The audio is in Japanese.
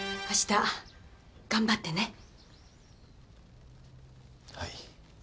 あした頑張ってね。